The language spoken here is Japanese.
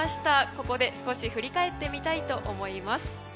ここで少し振り返ってみたいと思います。